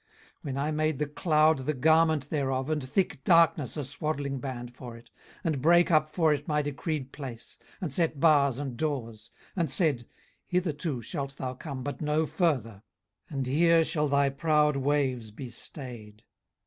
18:038:009 When I made the cloud the garment thereof, and thick darkness a swaddlingband for it, 18:038:010 And brake up for it my decreed place, and set bars and doors, 18:038:011 And said, Hitherto shalt thou come, but no further: and here shall thy proud waves be stayed?